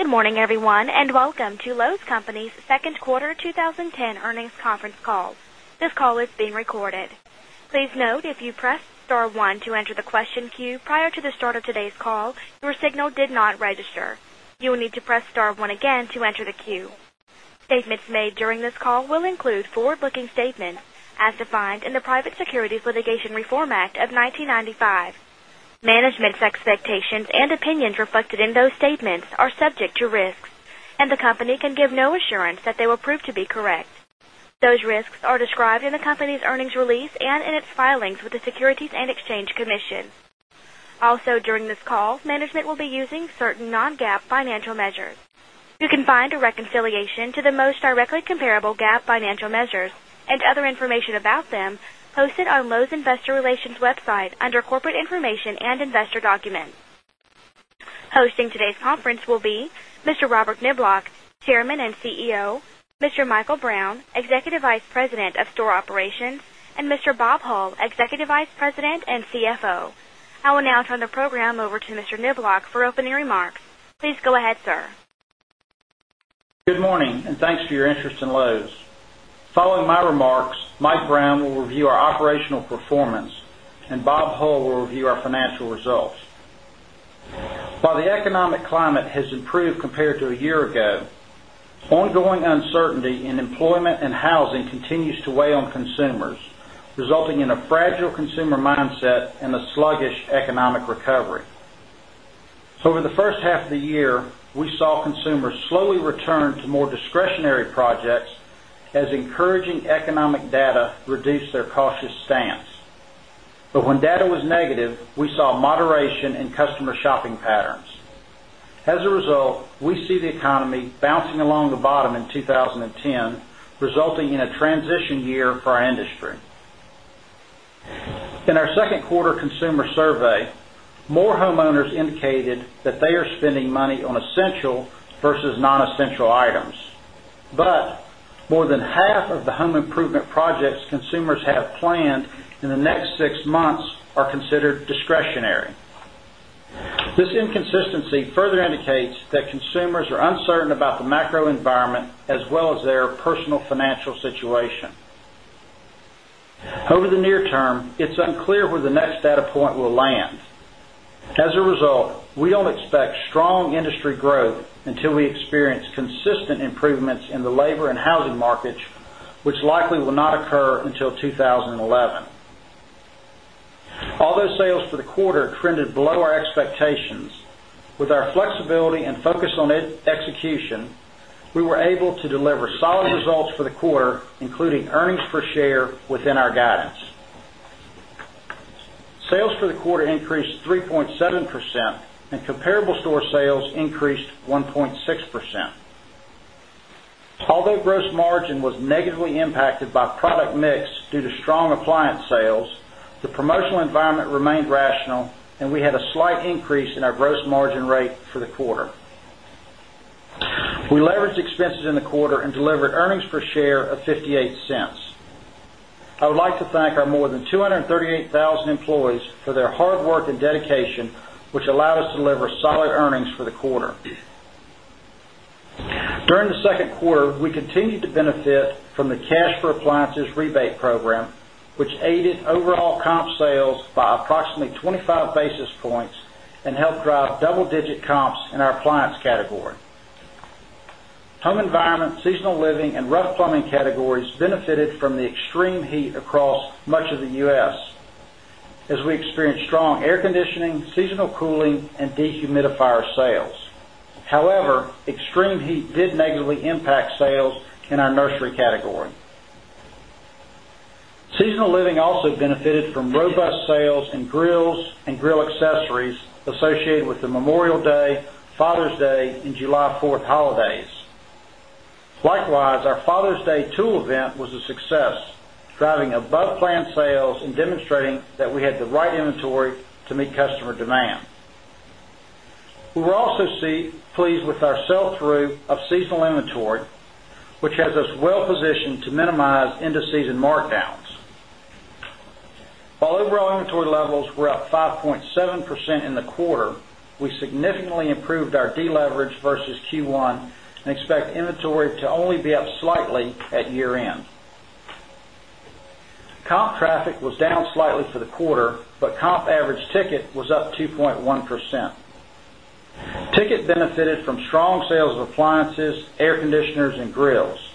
Good morning, everyone, and welcome to Loews Company's Second Quarter 2010 Earnings Conference Call. This call is being recorded. Statements made during this call will include forward looking statements as defined in the Private Securities Litigation Reform Act of 1995. Management's expectations and opinions reflected in those statements are subject to risks, and the company can give no assurance that they will prove to be correct. Those risks are described in the company's earnings release and in its filings with the Securities and Exchange Commission. Also during this call, management will be using certain non GAAP financial measures. You can find a reconciliation to the directly comparable GAAP financial measures and other information about them posted on Loews' Investor Relations website under Corporate Information and Investor Documents. Hosting today's conference will be Mr. Robert Kniblock, Chairman and CEO Mr. Michael Brown, Executive Vice President of Store Operations and Mr. Bob Hull, Executive Vice President and CFO. I will now turn the program over to Mr. Kniblock for opening remarks. Please go ahead, sir. Good morning, and thanks for your interest in Loews. Following my remarks, Mike Brown will review our operational performance and Bob Hull will review our financial results. While the economic climate has improved compared to a year ago, ongoing uncertainty in employment and housing continues to weigh on consumers, resulting in a fragile consumer mindset and a sluggish economic recovery. So in the first half of the year, we saw consumers slowly return to more discretionary projects as encouraging economic data reduced their cautious stance. But when data was negative, we saw moderation in customer shopping patterns. As a result, we see the economy bouncing along the bottom in 2010 resulting in a transition year for our industry. In our Q2 consumer survey, more homeowners indicated that they are spending money on essential versus non essential items, but more than half of the home improvement projects consumers have planned in the next 6 months are considered discretionary. This inconsistency further indicates that consumers are uncertain about the macro environment as well as their personal financial situation. Over the near term, it's unclear where the next data point will land. As a result, we don't expect strong industry growth until we experience consistent improvements in the labor and housing markets, which likely will not occur until 2011. Although sales for the quarter trended below our expectations, with our flexibility and focus on execution, we were able to deliver solid results for the quarter, including earnings per share within our guidance. Sales for the quarter increased 3.7% and comparable store sales increased 1.6%. Although gross margin was negatively impacted by product mix due to strong appliance sales, the promotional environment remained rational and we had a slight increase in our gross margin rate for the quarter. We leveraged expenses in the quarter and delivered earnings per share of $0.58 I would like to thank our more than 238,000 employees for their hard work and dedication, which allowed us to deliver solid earnings for the quarter. During the Q2, we continued to benefit from the cash for appliances rebate program, which aided overall comp sales by approximately 25 basis points and helped drive double digit comps in our appliance category. Home environment, seasonal living and rough plumbing categories plumbing categories benefited from the extreme heat across much of the U. S. As we experienced strong air conditioning, seasonal cooling and dehumidifier sales. However, extreme heat did negatively impact sales in our nursery category. Seasonal Living also benefited from robust sales in grills and grill accessories associated with the Memorial Day, Father's Day, and July 4 holidays. Likewise, our Father's Day tool event was a success, driving above planned sales and demonstrating that we had the right inventory to meet customer demand. We were also pleased with our sell through of seasonal inventory, which has us well positioned to minimize end of season markdowns. While overall inventory levels were up 5.7% in the quarter, we significantly improved our deleverage versus Q1 and expect inventory to only be up slightly at year end. Comp traffic was down slightly for the quarter, but comp average ticket was up 2.1%. Ticket benefited from strong sales of appliances, air conditioners, and grills.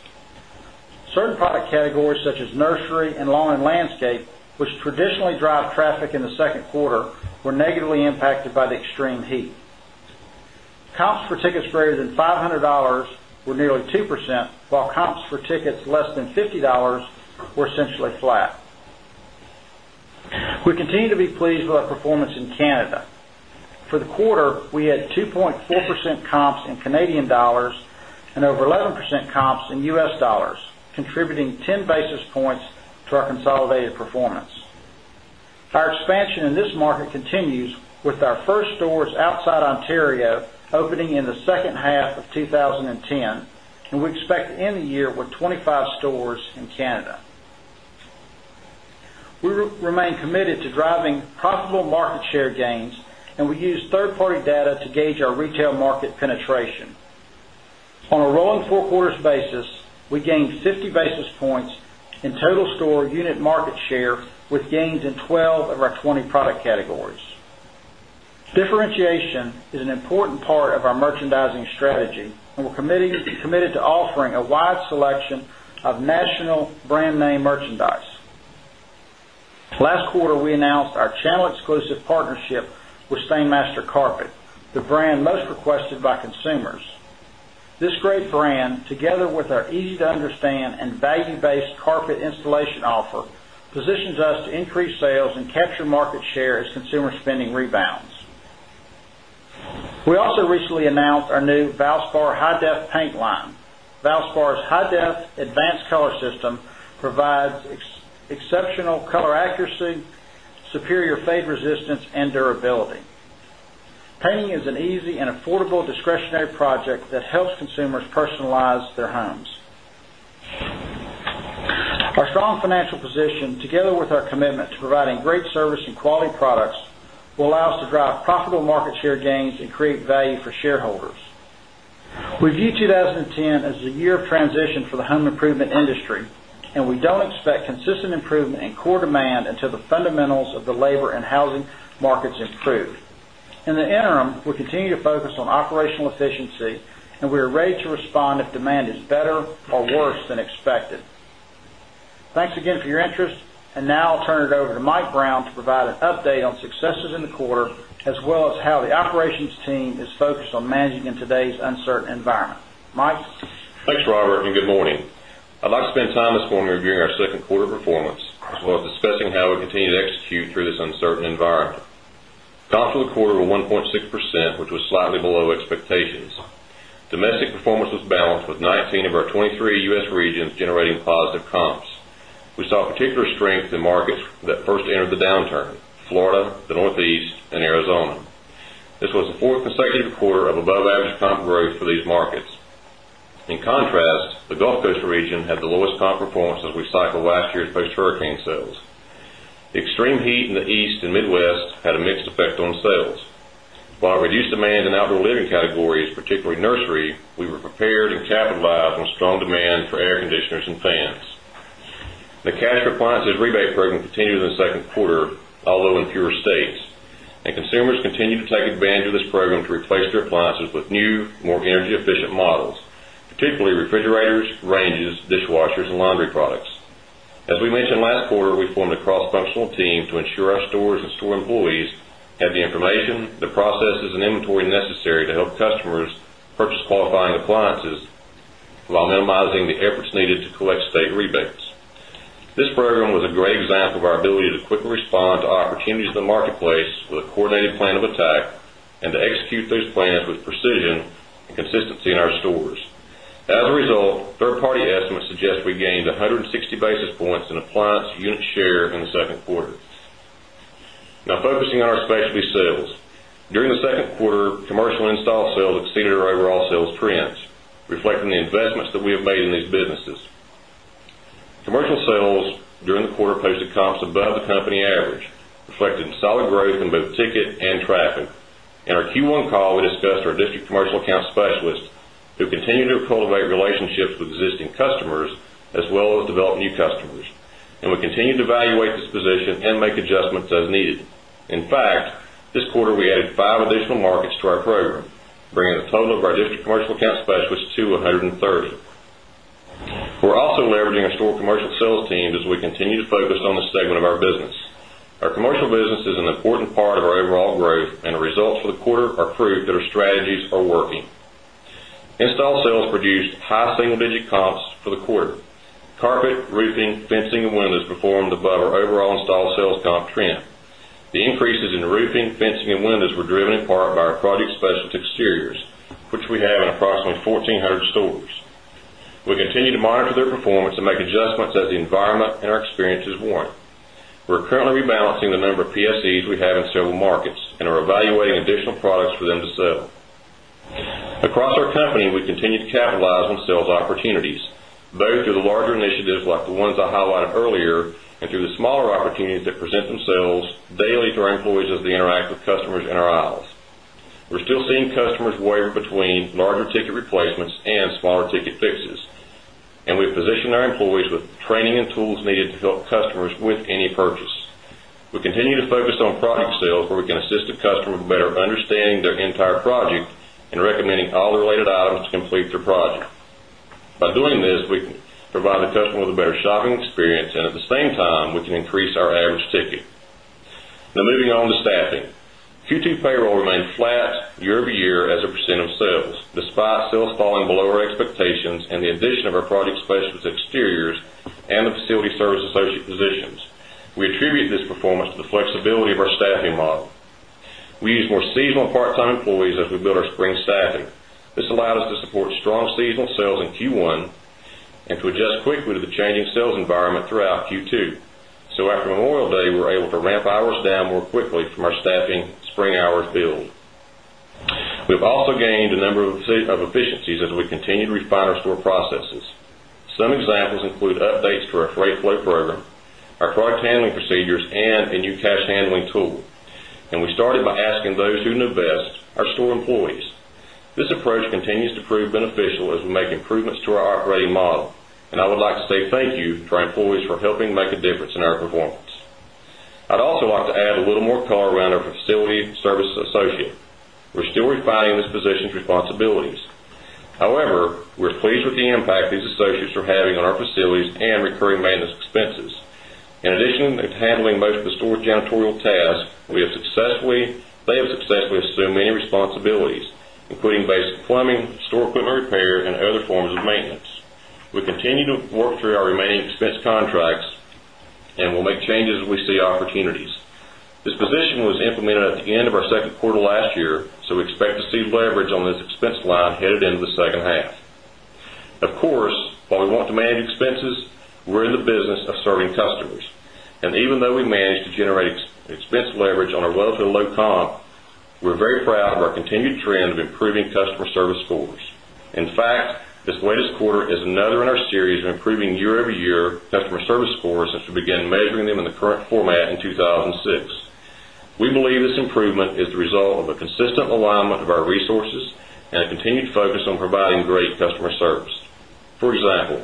Certain product categories such as nursery and lawn and landscape, which traditionally drive traffic in the Q2, were negatively impacted by the extreme heat. Comps for tickets greater than $500 were nearly 2%, while comps for tickets less than $50 were essentially flat. We continue to be pleased with our performance in Canada. For the quarter, we had 2.4% comps in Canadian dollars and over 11% comps in U. S. Dollars, contributing 10 basis points to our consolidated performance. Our expansion in this market continues with our first stores outside Ontario opening in the second half of twenty ten, and we expect to end the year with 25 stores in Canada. We remain committed to driving profitable market share gains, and we use 3rd party data to gauge our retail market penetration. On a rolling 4 quarters basis, we gained 50 basis points in total store unit market share with gains in 12 of our 20 product categories. Differentiation is an important part of our merchandising strategy and we're committed to offering a wide selection of national brand name merchandise. Last quarter, we announced our channel exclusive partnership with Stainmaster Carpet, the brand most requested by consumers. This great brand, together with our easy to understand and baggy based carpet installation offer, positions us to increase sales and capture market share as consumer spending rebounds. We also recently announced our new Valspar high def paint line. Valspar's high def advanced color system provides exceptional color accuracy, superior fade resistance and durability. Painting is an easy and affordable discretionary project that helps consumers personalize their homes. Our strong financial position together with our commitment to providing great service and quality products will allow us to drive profitable market share gains and create value for shareholders. We view 2010 as a year of transition for the home improvement industry, and we don't expect consistent improvement in core demand until the fundamentals of the labor and housing markets improve. In the interim, we continue to focus on operational efficiency, and we are ready to respond if demand is better or worse than expected. Thanks again for your interest. And now I'll turn it over to Mike Brown to provide an update on successes in the quarter as well as how the operations team is focused on managing in today's uncertain environment. Mike? Thanks, Robert, and good morning. I'd like to spend time this morning reviewing our 2nd quarter performance, as well as discussing how we continue to execute through this uncertain environment. Domestic performance was balanced with 19 of our 23 U. S. Regions generating positive comps. We saw particular strength in markets that first entered the downturn, Florida, the Northeast and Arizona. This was the 4th consecutive quarter of above average comp growth for these markets. In contrast, the Gulf Coast region had the lowest comp performance as we cycle last year's post hurricane sales. Extreme heat in the East and Midwest had a mixed effect on sales. While reduced demand in outdoor living categories, particularly nursery, we were prepared and capitalized on strong demand for air conditioners and fans. The cash appliances rebate program continued in the 2nd quarter, although in fewer states. And consumers continue to take advantage of this program to replace their appliances with new, more energy efficient models, particularly refrigerators, ranges, dishwashers and laundry products. As we mentioned last quarter, we formed a cross functional team to ensure our stores and store employees have the information, the processes and inventory necessary to help customers purchase qualifying appliances, while minimizing the efforts needed to collect state rebates. This program was a great example of our ability to quickly respond to opportunities in the marketplace with a coordinated plan of attack and to execute those plans with precision and consistency in our stores. As a result, 3rd party estimates suggest we gained 160 basis points in appliance unit share in the 2nd quarter. Now focusing on our specialty sales. During the Q2, commercial install sales exceeded our overall sales trends, reflecting the investments that we have made in these businesses. Commercial sales during the quarter posted comps above the company average, reflecting solid growth in both ticket and traffic. In our Q1 call, we discussed our district commercial account specialists who continue to cultivate relationships with existing customers as well as develop new customers. And we continue to evaluate this position and make adjustments as needed. In fact, this quarter we added 5 additional markets to our program, bringing the total of our district commercial accounts specials to 130. We're also leveraging our store commercial sales teams as we continue to focus on the segment of our business. Our commercial business is an important part of our overall growth and results for the quarter are proved that our strategies are working. Installed sales produced high single digit comps for the quarter. Carpet, roofing, fencing and windows performed above our overall installed sales comp trend. The increases in roofing, fencing and windows were driven in part by our project specialty exteriors, which we have in approximately 1400 stores. We continue to monitor their performance and make adjustments as the environment and our experiences warrant. We're currently rebalancing the number of PSEs we have in several markets and are evaluating additional products for them to sell. Across our company, we continue to capitalize on sales opportunities, both through the larger initiatives like the ones I highlighted earlier and through the smaller opportunities that present themselves daily to our employees as they interact with customers in our aisles. We're still seeing customers wave between larger ticket replacements and smaller ticket fixes. And we've positioned our employees with training and tools needed to help customers with any purchase. We continue to focus on product sales where we can assist the customer with better understanding their entire project and recommending all the related items to complete their project. By doing this, we can provide the customer with a better shopping experience and at the same time, we can increase our average ticket. Now moving on to staffing. Q2 payroll remained flat year over year as a percent of sales, despite sales falling below our expectations and the addition of our project specialist exteriors and the facility service associate positions. We attribute this performance to the flexibility of our staffing model. We use more seasonal part time employees as we build our spring staffing. This allowed us to support strong seasonal sales in Q1 and to adjust quickly to the changing sales environment throughout Q2. So after Memorial Day, we're able to ramp hours down more quickly from our staffing spring hours build. We've also gained a number of efficiencies as we continue to refine our store processes. Some examples include updates to our freight flow program, our product handling procedures, flow program, our product handling procedures and a new cash handling tool. And we started by asking those who invest our store employees. This approach continues to prove beneficial as we make improvements to our operating model. And I would like to say thank you to our employees for helping make a difference in our performance. I'd also like to add a little more color around our facility service associate. We're still refining this position's responsibilities. However, are pleased with the impact these associates are having on our facilities and recurring maintenance expenses. In addition to handling most of the store janitorial tasks, we have successfully they have successfully assumed many responsibilities, including basic plumbing, store equipment repair and other forms of maintenance. We continue to work through our remaining expense contracts and we'll make changes as we see opportunities. This position was implemented at the end of our Q2 last year, so we expect to see leverage on this expense line headed into the second half. Of course, while we want to manage expenses, we're in the business of serving customers. And even though we managed to generate expense leverage on our well to low comp, we're very proud of our continued trend of improving customer service scores. In fact, this latest quarter is another in our series of improving year over year customer service scores as we began measuring them in the current format in 2,006. We believe this improvement is the result of a consistent alignment of our resources and continued focus on providing great customer service. For example,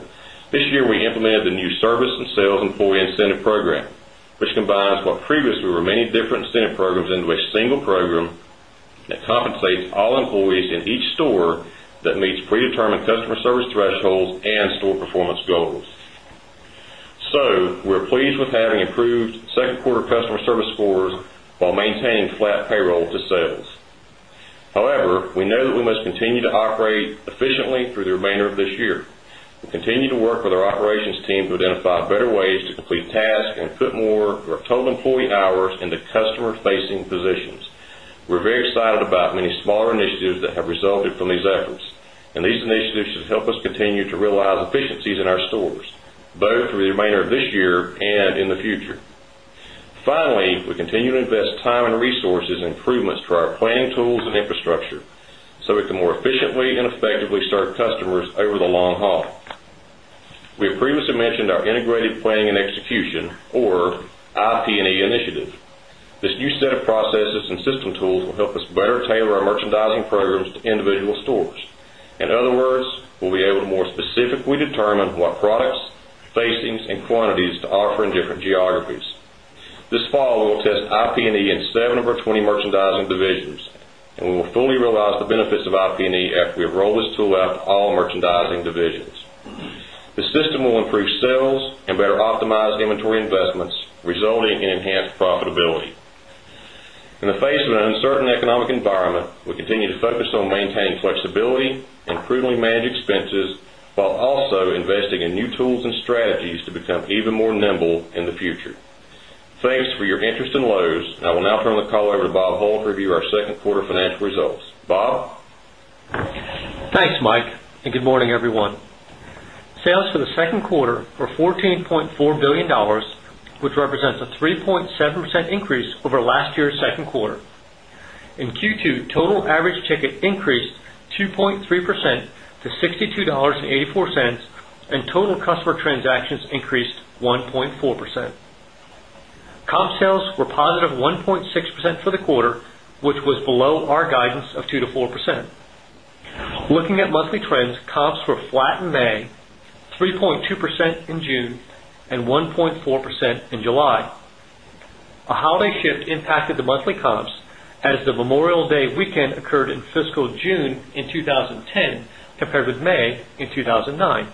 this year we implemented the new service and sales employee incentive program, which combines what previously were many different incentive programs into a single program that compensates all employees in each store that meets predetermined customer service thresholds and store performance goals. So, we're pleased with having improved 2nd quarter customer service scores, while maintaining flat payroll to sales. However, we know that we must continue to operate efficiently through the remainder of this year. We continue to work with our operations team to identify better ways to complete tasks and put more of our total employee hours into customer facing positions. We're very excited about many smaller initiatives that have resulted from these efforts. And these initiatives should help us continue to realize efficiencies in our stores, both through the remainder of this year and in the future. Finally, we continue to invest time and resources improvements to our planning tools and infrastructure, so we can more efficiently and effectively start customers over the long haul. We have previously mentioned our integrated planning and execution or IP and E initiative. This new set of processes and system tools will help us better tailor our merchandising programs to individual stores. In other words, we'll be able to more specifically determine what products, facings and quantities to offer in different geographies. This fall, we'll test IP and E in 7 of our 20 merchandising divisions and we will fully realize the benefits of IP and E after we have rolled this tool out all merchandising divisions. The system will improve sales and better optimize inventory investments, resulting in enhanced profitability. In the face of an uncertain economic environment, we continue to focus on maintaining flexibility and prudently manage and prudently manage expenses, while also investing in new tools and strategies to become even more nimble in the future. Thanks for your interest in Loews. I will now turn the call over to Bob Voll to review our Q2 financial results. Bob? Thanks, Mike, and good morning, everyone. Sales for the Q2 were $14,400,000,000 which represents a 3.7% increase over last year's Q2. In Q2, total average ticket increased 2.3% to 62 $0.84 and total customer transactions increased 1.4%. Comp sales were positive 1.6% for the quarter, which was below our guidance of 2% to 4%. Looking at monthly trends, comps were flat in May, 3.2% in June and 1.4% in July. A holiday shift impacted the monthly comps as the Memorial Day weekend occurred in fiscal June in 2010 compared with May in 2009.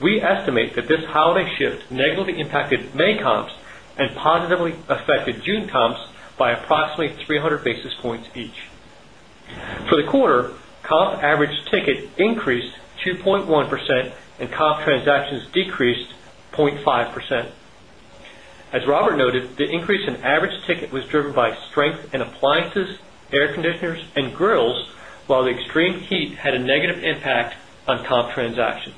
We estimate that this holiday shift negatively impacted May comps and positively affected June comps by approximately 300 basis points each. For the quarter, comp average ticket increased 2.1% and comp transactions decreased 0.5%. As Robert noted, the increase in average ticket was driven by strength in appliances, air conditioners and grills, while the extreme heat had a negative impact on comp transactions.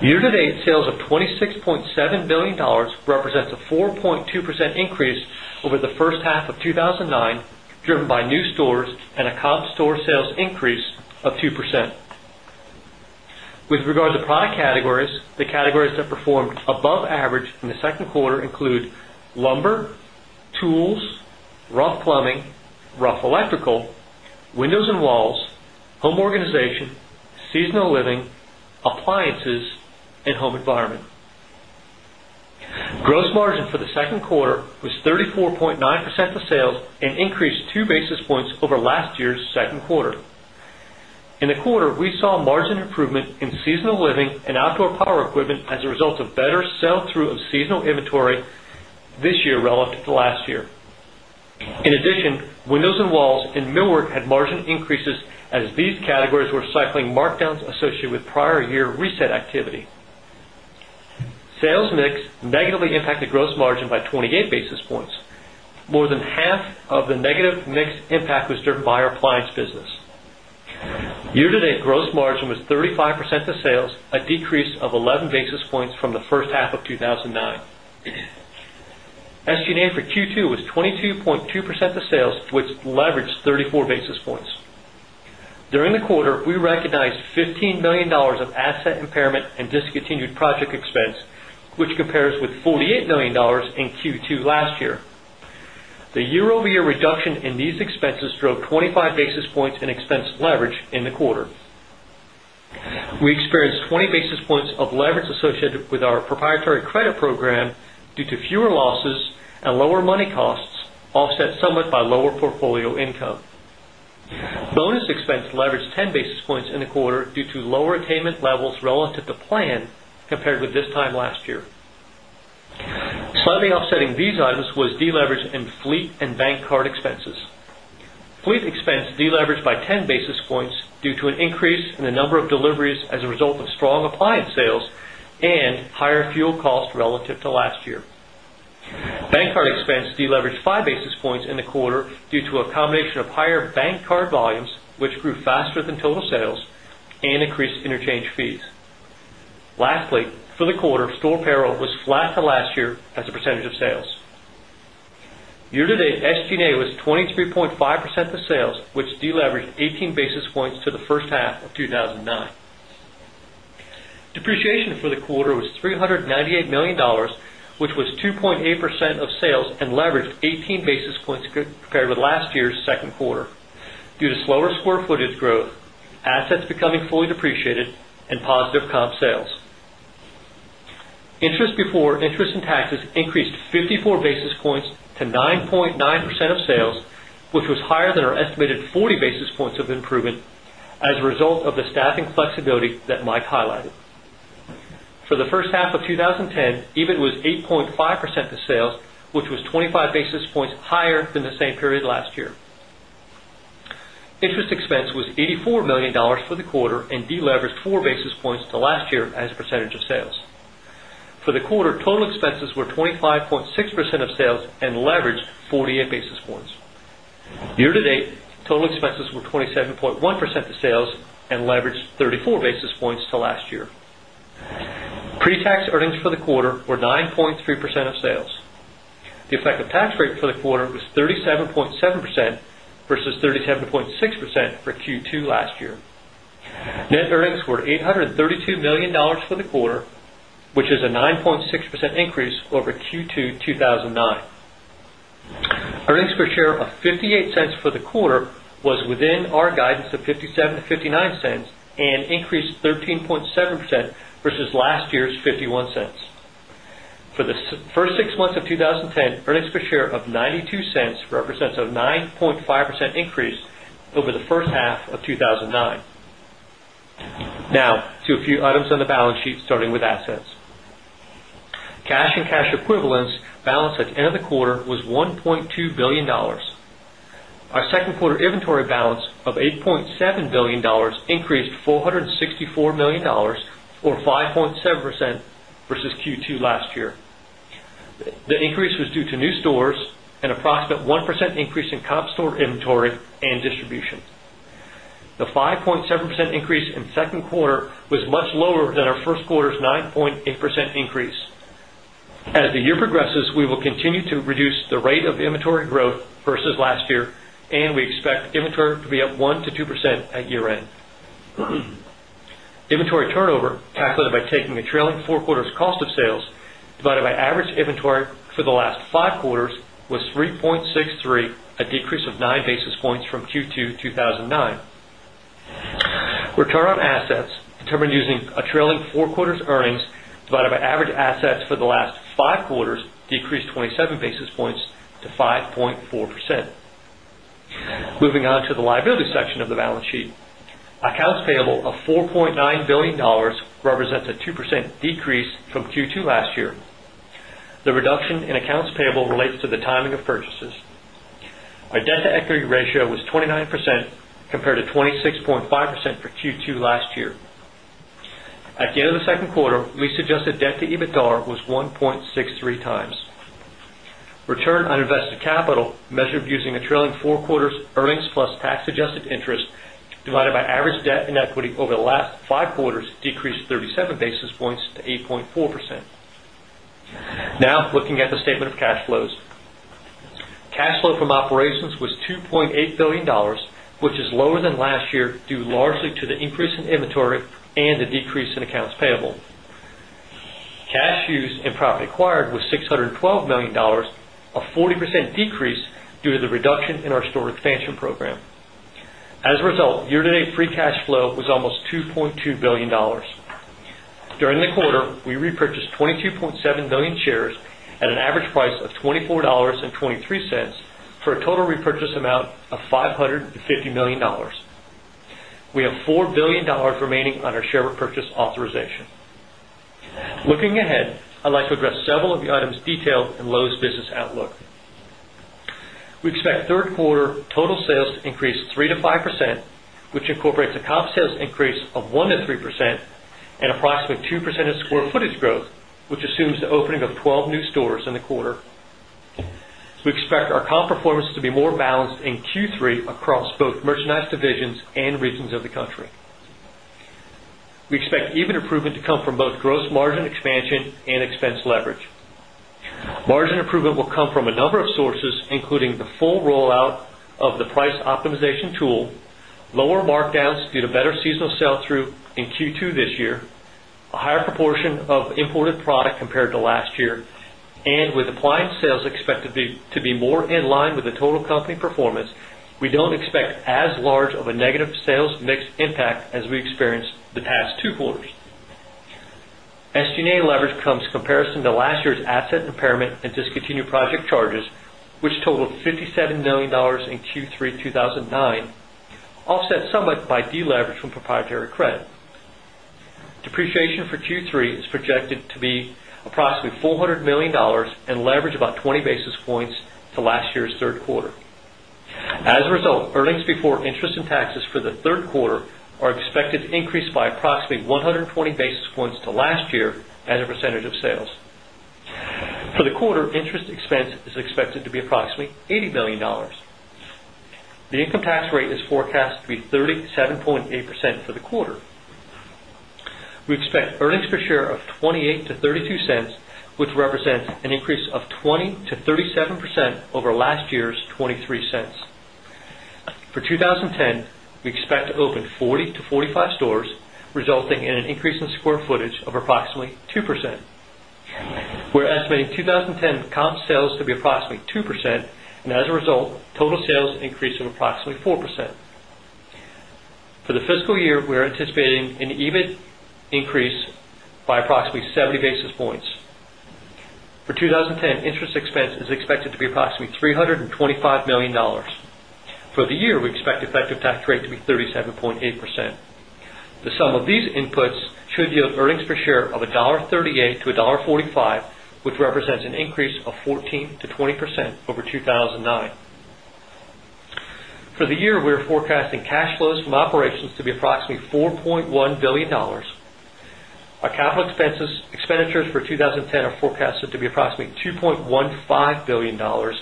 Year to date sales of $26,700,000,000 represents a 4.2% increase over the first half of twenty by new stores and a comp store sales increase of 2%. With regard to product categories, the categories that performed above average in the second quarter include lumber, tools, rough plumbing, rough electrical, windows and walls, home organization, seasonal living, appliances and home environment. Gross margin for the 2nd quarter was 34.9 percent of sales and increased 2 basis points over last year's Q2. In the quarter, we saw margin improvement in seasonal living and outdoor power equipment as a result of better sell through of seasonal inventory this year relative to last year. In addition, windows and walls in Millward had margin increases as these categories were cycling markdowns associated with prior year reset activity. Sales mix negatively impacted gross margin by 28 basis points. More than half of the negative mix impact was driven by our appliance business. Year to date gross margin was 35% of sales, a decrease of 11 basis points from the first half of twenty nineteen. SG and A for Q2 was 22.2% of sales, which leveraged 34 basis points. During the quarter, we recognized 15 $1,000,000 of asset impairment and discontinued project expense, which compares with $48,000,000 in Q2 last year. The year over year reduction in these expenses drove 25 basis points in expense leverage in the quarter. We experienced 20 basis points of leverage associated with our proprietary credit program due to fewer losses and lower money costs offset somewhat by lower portfolio income. Bonus Bonus expense leverage 10 basis points in the quarter due to lower attainment levels relative to plan compared with this time last year. Slightly offsetting these items was deleverage in fleet and bank card expenses. Fleet expense deleveraged by 10 basis points due to an increase in the number of deliveries as a result of strong appliance sales and higher fuel costs relative to last year. Bank card expense deleveraged 5 basis points in the quarter due to a combination of higher bank card volumes, which grew faster than total sales and increased interchange fees. Lastly, for the quarter, store payroll was flat to last year as a percentage of sales. Year to date SG and A was 23.5 percent of sales, which deleveraged 18 basis points to the first half of two thousand and nine. Depreciation for the quarter was $398,000,000 which was 2.8% of sales and leveraged 18 basis points compared with last year's Q2 due to slower square footage growth, assets becoming fully depreciated and positive comp sales. Interest before interest and taxes increased 54 basis points to 9.9 percent of sales, which was higher than our estimated 40 basis points of improvement as a result of the staffing flexibility that Mike highlighted. For the first half of twenty ten, EBIT was 8.5 percent of sales, which was 25 basis points higher than the same period last year. Interest expense was $84,000,000 for the quarter and deleveraged 4 basis points to last year as a percentage of sales. For the quarter, total expenses were 25.6 percent of sales and leverage 48 basis points. Year to date, total expenses were 27.1 percent of sales and leverage 34 basis points to last year. Pre tax earnings for the quarter were 9.3% of sales. The effective tax rate for the quarter was 37.7 percent versus 37.6 percent for Q2 last year. Net earnings were $832,000,000 for the quarter, which is a 9.6% increase over Q222,000 and 9. Earnings per share of $0.58 for the quarter was within our guidance of $0.57 to $0.59 and increased 13.7% versus last year's $0.51 For the 1st 6 months of 2010, earnings per share of $0.92 represents a 9.5% increase over the first half of two thousand and nine. Now, to a few items on the balance sheet, starting with assets. Cash and cash equivalents balance at the end of the quarter was $1,200,000,000 Our 2nd quarter inventory balance of $8,700,000,000 increased $464,000,000 or 5.7 percent versus Q2 last year. The increase was due to new stores and approximate 1% increase in comp store inventory and distribution. The 5.7% increase in lower than our 1st quarter's 9.8% increase. As the year progresses, we will continue to reduce the rate of inventory growth versus last year and we expect inventory to be up 1% to 2% at year end. Inventory turnover calculated by taking a trailing 4 quarters cost of sales divided by average inventory for the last 5 quarters was 3.63, a decrease of 9 basis points from Q2, 2009. Return on assets determined using a trailing 4 quarters earnings divided by average assets for the last 5 quarters decreased 27 basis points to 5.4%. Moving on to the liability section of the balance sheet. Accounts payable of $4,900,000,000 represents a 2% decrease from Q2 last year. The reduction in accounts payable relates to the timing of purchases. Our debt to equity ratio was 29% compared to 26.5% for Q2 last year. At the end of the second quarter, lease adjusted debt to EBITDAR was 1.63 times. Return on invested capital measured using a trailing 4 quarters earnings plus tax adjusted interest divided by average debt and equity over the last 5 quarters decreased 37 basis points to 8.4%. Now looking at the statement of cash flows. Cash flow from operations was $2,800,000,000 which is lower than last year due largely to the increase in inventory and the decrease in accounts payable. Cash used in property acquired was $612,000,000 a 40% decrease due to the reduction in our store expansion program. As a result, year to date free cash flow was almost $2,200,000,000 During the quarter, we repurchased 22,700,000 shares at an average price of $24.23 for a total repurchase amount of $550,000,000 We have $4,000,000,000 remaining on our share repurchase authorization. Looking ahead, I'd like to address several of the items detailed in Lowe's business outlook. We expect 3rd quarter total sales to increase 3% to 5%, which incorporates a comp sales increase of 1% to 3% and approximate 2% of square footage growth, which assumes the opening of 12 new stores in the quarter. We expect our comp performance to be more balanced in Q3 across both merchandise divisions and regions of the country. We expect even improvement to come from both gross margin expansion and expense leverage. Margin improvement will come from a number of sources, including the full rollout of the price optimization tool, lower markdowns due to better seasonal sell through in Q2 this year, a higher proportion of imported product compared to last year and with appliance sales expected to be more in line with the total company performance, we don't expect as large of a negative sales mix impact as we experienced the past 2 quarters. SG and A leverage comes comparison to last year's asset impairment and discontinued project charges, which totaled $57,000,000 in Q3, 2019, offset somewhat by deleverage from proprietary credit. Depreciation for Q3 is projected to be approximately $400,000,000 and leverage about 20 basis points to last year's Q3. As a result, earnings before interest and taxes for the 3rd quarter are expected to increase by approximately 120 basis points to last year as a percentage of sales. For the quarter, interest expense is expected to be approximately $80,000,000 The income tax rate is forecast to be 37.8 percent for the quarter. We expect earnings per share of $0.28 to $0.32 which represents an increase of 20% to 37% over last year's $0.23 For 2010, we expect to open 40 to 45 stores, resulting in an increase in square footage of approximately 2%. We're estimating 20 10 comp sales to be approximately 2% and as a result, total sales increase of approximately 4%. For the fiscal year, we are anticipating an EBIT increase by approximately 70 basis points. For 2010, interest expense is expected to be approximately $325,000,000 For the year, we expect effective tax rate to be 37.8 percent. The sum of these inputs should yield earnings per share of $1.38 to $1.45 which represents an increase of 14% to 20% over 2,009. For the year, we're forecasting cash flows from operations to be approximately $4,100,000,000 Our capital expenditures for 2010 are forecasted to be approximately 2.15 $1,000,000,000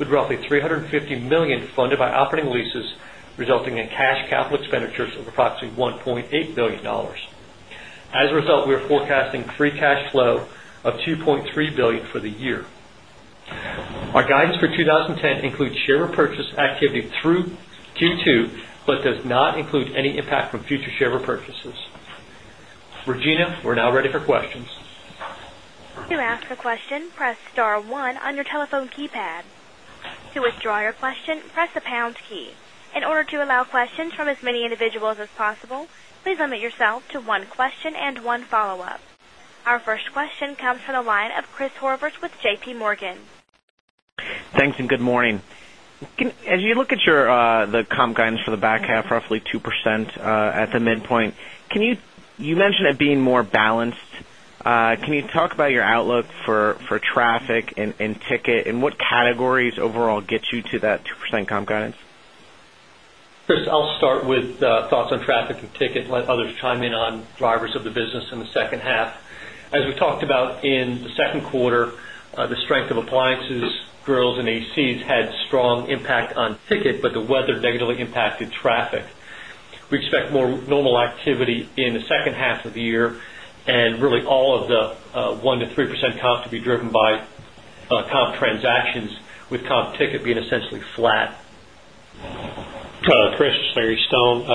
with roughly $350,000,000 funded by operating leases, resulting in cash capital expenditures of approximately $1,800,000,000 As a result, we are forecasting free cash flow of $2,300,000,000 for the year. Our guidance for 20 10 includes share repurchase activity through Q2, but does not include any impact from future share repurchases. Regina, we're now ready for questions. Our first question comes from the line of Chris Horvers with JPMorgan. Thanks and good morning. As you look at your the comp guidance for the back half roughly 2% at the midpoint, can you you mentioned it being more balanced. Can you talk about your outlook for traffic and ticket and what categories overall get you to that 2% comp guidance? Chris, I'll start with thoughts on traffic and ticket and let others chime in on drivers of the business in the second half. As we talked about in the Q2, the strength of appliances, drills and ACs had strong impact on ticket, but the weather negatively impacted traffic. We expect more normal activity in the second half of the year and really all of the 1% to 3% comp to be driven by comp transactions with comp ticket being essentially flat. Chris, it's Barry Stone.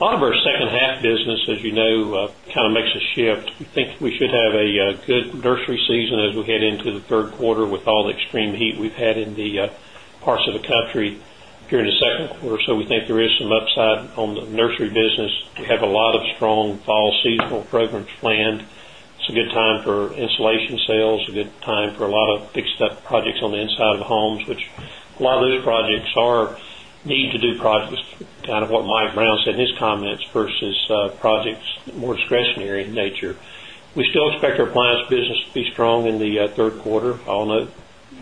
All of our second half business, as you know, kind of makes a shift. We think we should have a good nursery season as we head into the Q3 with all the extreme heat we've had in the parts of the country during the Q2. So we think there is some upside on the nursery business. We have a lot of strong fall seasonal programs planned. It's a good time for installation sales, a good time for a lot of fixed up projects on the inside of the homes, which a lot of those projects are need to do projects kind of what Mike Brown said in his comments versus projects more discretionary in nature. We still expect our appliance business to be strong in the Q3, although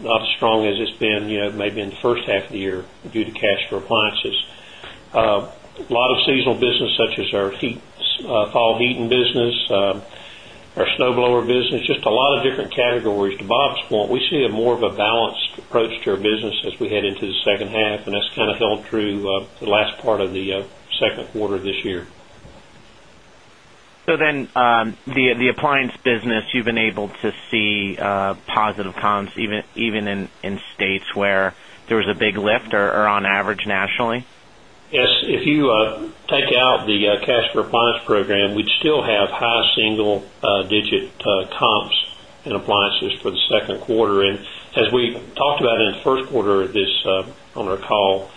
not as strong as it's been maybe in the first half of the year due to cash for appliances. A lot of seasonal business such as our heat fall heating business, our snowblower business, just a lot of different categories. To Bob's point, we see a more of a balanced approach to our business as we head into the second half, and that's kind of held through the last part of the Q2 of this year. So then the appliance business, you've been able to see positive comps even in states where there was a big lift or on average nationally? Yes. If you take out the cash appliance program, we'd still have high single digit comps in appliances for the Q2. And as we talked about in the Q1 of this on our call,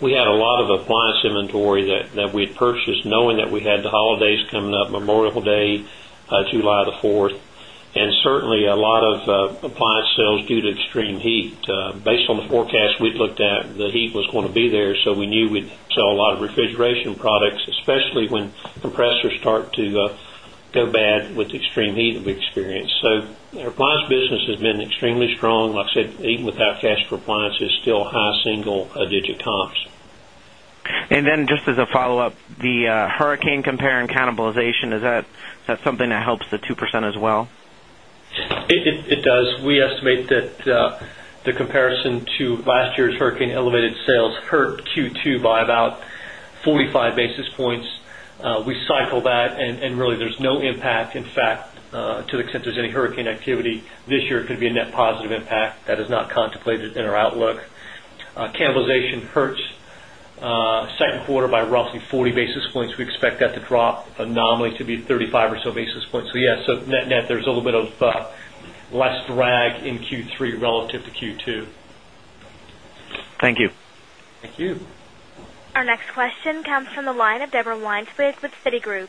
we had a lot of appliance inventory that we had purchased knowing that we had the holidays coming up Memorial Day, July 4th, and certainly a lot of appliance sales due to extreme heat. Based on the forecast we've looked at, the heat was going to be there. So we knew we'd sell a lot of appliance business has been extremely strong. Like I said, even without gas for appliance is still high single digit comps. And then just as a follow-up, the hurricane compare and cannibalization, is that something that helps the 2% as well? It does. We estimate that the comparison to last year's hurricane elevated sales hurt Q2 by about 45 basis points. We cycle that and really there's no impact. In fact, to the extent there's any hurricane activity this year could be a net positive impact that is not contemplated in our outlook. Relative to Q2. Thank you. Thank you. Our next question comes from the line of Deborah Weinsberg with Citigroup.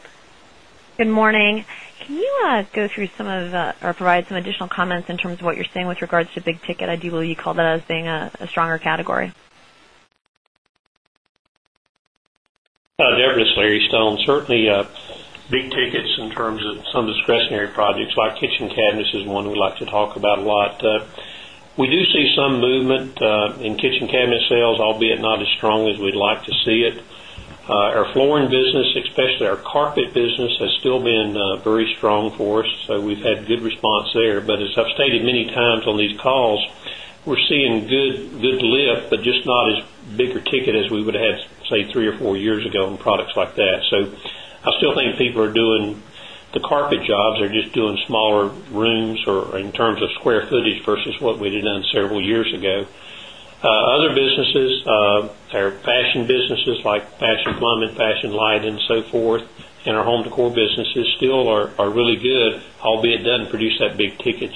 Good morning. Can you go through some of or provide some additional comments in terms of what you're seeing with regards to big ticket? I do believe you call that as being a stronger category. Debra, it's Larry Stone. Certainly, big tickets in terms of some discretionary projects like kitchen cabinets is one we like to talk about a lot. We do see some movement in kitchen cabinet sales, albeit not as strong as we'd like to see it. Our flooring business, especially our carpet business has still been very strong for us. So we've had good response there. But as I've stated many times on these calls, we're seeing good lift, but just not as bigger ticket as we would have, say, 3 or 4 years ago in products like that. So I still think people are doing the carpet jobs, they're just doing smaller rooms or in terms of square footage versus what we did on several years ago. Other businesses, our fashion businesses like fashion plum and fashion light and so forth in our home decor businesses still are really good, albeit done produce that big ticket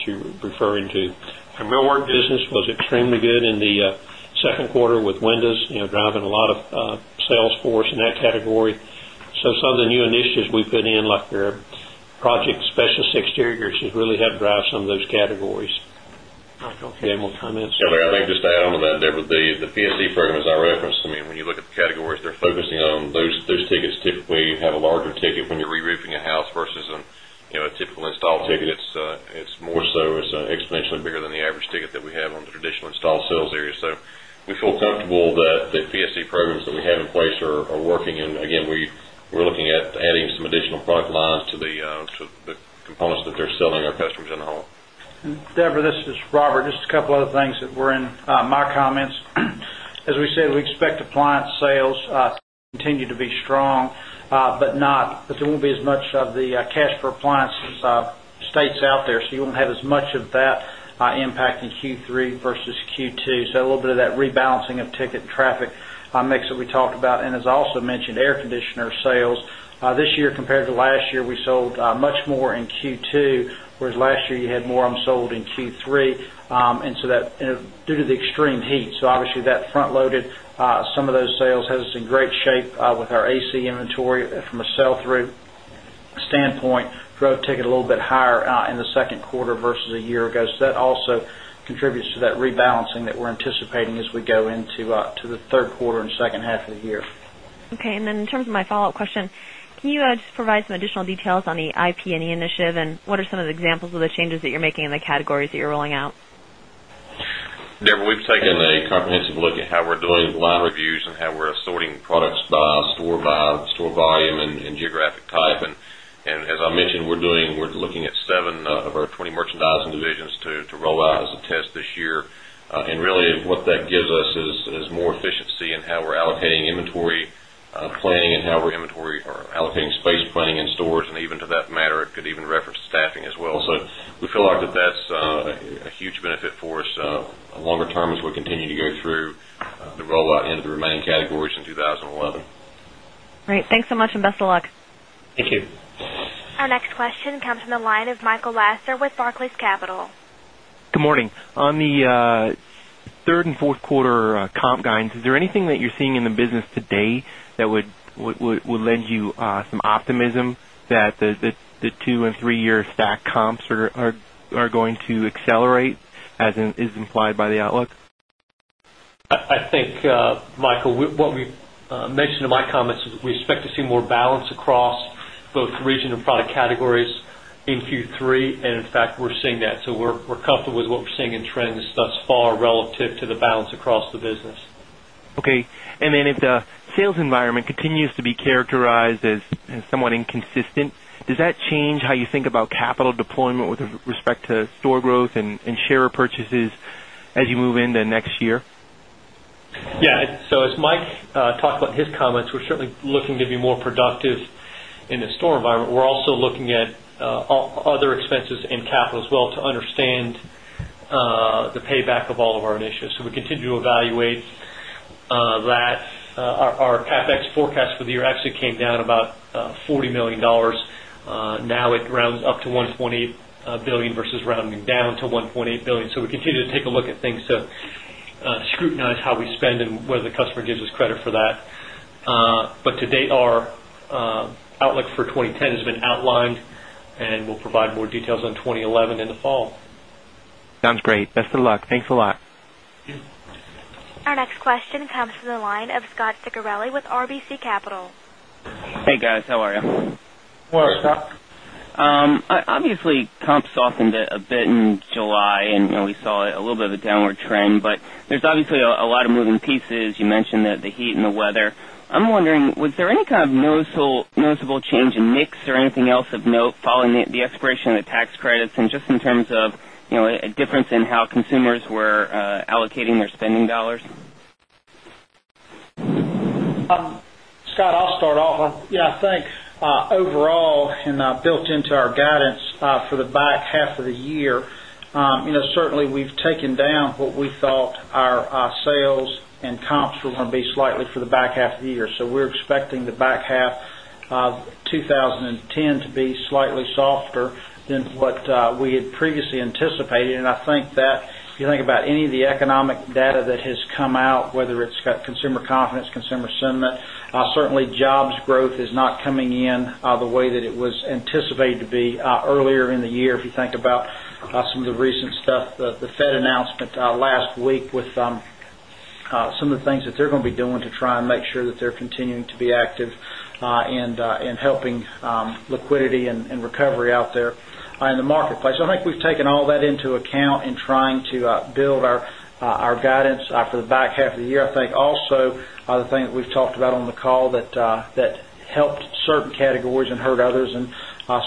2nd quarter with windows driving a lot of sales force in that category. So some of the new initiatives we put in like the project specialist exterior should really help drive some of those categories. Michael, can you comment? Yes, I think just to add on to that, Deborah, the PSC program as I referenced, I mean, when you look at the categories they're focusing on, those tickets typically have a larger ticket when you're reroofing a house versus a typical install ticket. It's more so as an expansion bigger than the average ticket that we have on the traditional installed sales area. So, we feel comfortable that the PSC programs that we have in place are working. And again, we're looking at adding some additional product lines to the components that they're selling our customers in the home. Deborah, this is Robert. Just a couple of other things that were in my comments. As we said, we expect appliance sales continue to be strong, but not but there won't be as much of the cash per appliances states out there. So, you won't have as much of that impact in Q3 versus Q2. So, a little bit of that rebalancing of ticket traffic mix that we talked about. And as I also mentioned, air conditioner sales. This year compared to last year, we sold much more in Q2, whereas last year, you had more of them sold in Q3, and so that due to the extreme heat. So obviously, that front loaded some of those sales has us in great shape with our AC inventory from a sell through standpoint, drove ticket a little bit higher in the Q2 versus a year ago. So that also contributes to that rebalancing that we're anticipating as we go into the Q3 and second half of the year. Okay. And then in terms of my follow-up question, can you just provide some additional details on the IP and E initiative and what are some of the examples of the changes that you're making in the categories that you're rolling out? Deborah, we've taken a comprehensive look at how we're doing line reviews and how we're assorting products by store by store volume and geographic type. And as I mentioned, we're doing we're looking at 7 of our 20 merchandising divisions to roll out as a test this year. And really what that gives us is more efficiency and how we're allocating inventory planning and how we're inventory or allocating space planning in stores and even to that matter, it could even reference staffing as well. So, we feel like that that's a huge benefit for us longer term as we continue to go through the rollout into the categories in 2011. Our next question comes from the line of Michael Lasser with Barclays Capital. On the 3rd and 4th quarter comp guidance, is there anything that you're seeing in the business today that would lend you some optimism that the 2 3 year stack comps are going to accelerate as is implied by the outlook? I think, Michael, what we mentioned in my comments is we expect to see more balance across both region and product categories in Q3. And in fact, we're seeing that. So we're comfortable with what we're seeing in trends thus far relative to the balance across the business. Okay. And then if the sales environment continues to be characterized as somewhat inconsistent, does that change how you think about capital deployment with respect to store growth and share repurchases as you move into next year? Yes. So as Mike talked about his comments, we're certainly looking to be more productive in the store environment. We're also looking at other expenses and capital as well to understand the payback of all of our initiatives. So, we continue to evaluate that. Our CapEx forecast for the year actually came down about $40,000,000 Now, it rounds up to $1,800,000,000 versus rounding to $1,800,000,000 So we continue to take a look at things to scrutinize how we spend and whether the customer gives us credit for that. But to date, our outlook for 2010 has been outlined and we'll provide more details on 2011 in the fall. Great. Best of luck. Thanks a lot. Our next question comes from the line of Scot Ciccarelli with RBC Capital. Hey, guys. How are you? Good morning, Scot. Obviously, comp softened a bit in July and we saw a little bit of a downward trend. But there's obviously a lot of moving pieces. You mentioned the heat and the weather. I'm wondering, was there any kind of noticeable change in mix or anything else of note following the expiration of the tax credits and just in terms of a difference in how consumers were allocating their spending dollars? Scott, I'll start off. Yes, I think overall and built into our guidance for the back half of the year, certainly we've taken down what we thought our sales and comps were going to be slightly for the back half of the year. So we're are expecting the back half of twenty ten to be slightly softer than what we had previously anticipated. And I think that if you think about any of the economic data that has come out, whether it's got consumer confidence, consumer sentiment, certainly jobs growth is not coming in the way that it was anticipated to be earlier in the year. If you think about some of the recent stuff, the Fed announcement last week with some of the things that they're going be doing to try and make sure that they're continuing to be active and helping liquidity and recovery out there in the marketplace. I think we've taken all that into account in trying to build our guidance for the back half of the year. I think also the thing that we've talked about on the call that helped certain categories and hurt others and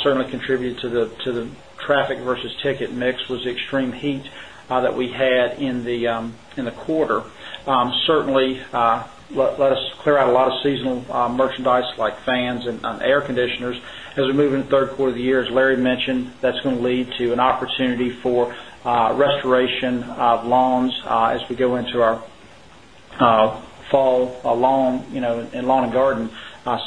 certainly contributed to the traffic versus ticket mix was extreme heat that we had in the quarter. Certainly, let us clear out a lot of seasonal merchandise like fans and air conditioners. As we move into Q3 of the year, as Larry mentioned, that's going to lead to an opportunity for restoration of lawns as we go into our fall lawn and lawn and garden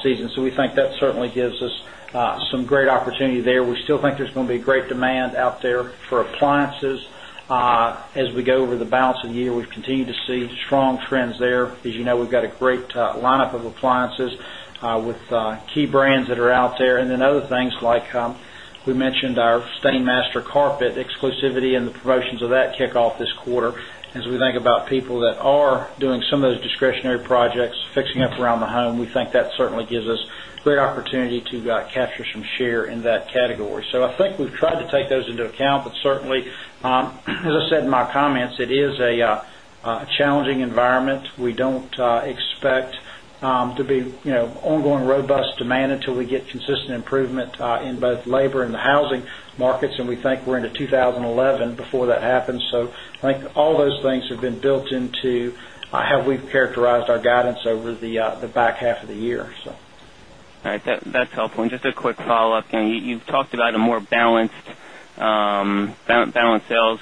season. So we think that certainly gives us some great opportunity there. We still think there's going to be great demand out there for appliances as we go over the balance of the year. We've continued to see strong trends there. As you know, we've got a great lineup of to see strong trends there. As you know, we've got a great lineup of appliances with key brands that are out there. And then other things like we mentioned our Stainmaster carpet exclusivity and the promotions of that kick off this quarter as we about people that are doing some of those discretionary projects, fixing up around the home, we think that certainly gives us great opportunity to capture some share in that category. So I think we've tried to take those into account, but certainly, as I said in my comments, it is a challenging environment. We don't expect to be ongoing robust demand until we get consistent improvement in both labor and the housing markets and we think we're into 2011 before that happens. So I think all those things have been built into how we've characterized our guidance over the back half of the year. All right. That's helpful. And just a quick follow-up. You've talked about a more balanced sales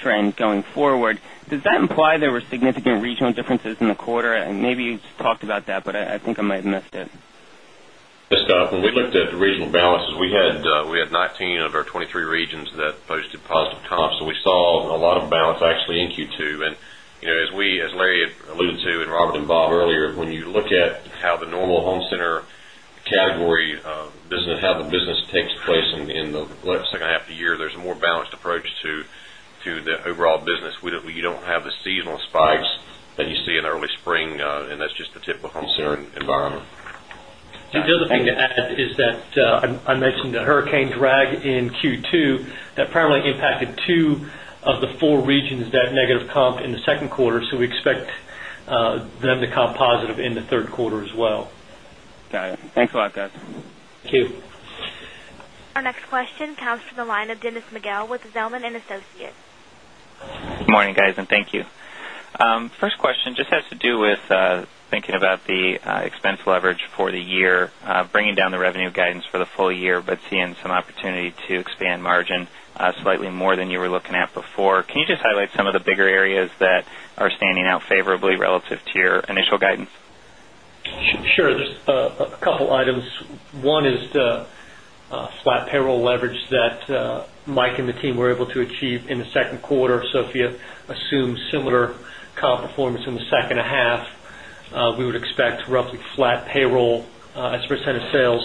trend going forward. Does that imply there were significant regional differences in the quarter? And maybe you just talked about that, but I think I might have missed it. Yes, Scott. When we looked at regional balances, we had 19 of our 23 regions that posted positive comps. So we saw a lot of balance actually in Q2. And as we as Larry alluded to and Robert and Bob earlier, when you look at how the normal home center category business, how the business takes place in the second half of the year, there's a more balanced approach to the overall business. We don't have the seasonal spikes that you see in early spring and that's just the typical home home searing environment. The other thing to add is that I mentioned the hurricane drag in Q2 that primarily impacted 2 of the 4 regions that negative comp in the 2nd quarter. So, we expect them to comp positive in the Q3 as well. Got it. Thanks a lot guys. Thank you. Our next question comes from the line of Dennis McGill with Zelman and Associates. Good morning guys and thank you. First question just has to do with thinking about the expense leverage for the year, bringing down the revenue guidance for the full year, but seeing some opportunity to expand margin slightly more than you were looking at before. Can you just highlight some of the bigger areas that are standing out favorably relative to your initial guidance? Sure. Just a couple of items. One is the flat payroll leverage that Mike and the team were able to achieve in the Q2. So if you assume similar comp performance in the second half, We would expect roughly flat payroll as a percent of sales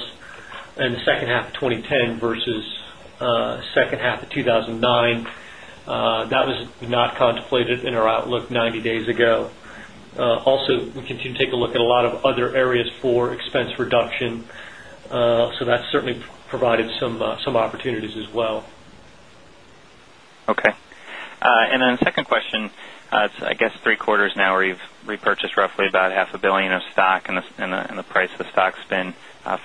in the second half of twenty ten versus second half of 2,009. That was not contemplated in our outlook ninety days ago. Also, we continue to take a look at a lot of other areas for expense reduction. So that certainly provided some opportunities as well. Okay. And then second question, I guess, 3 quarters now where you've repurchased roughly about $500,000,000 of stock and the price of stock has been